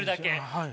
はい。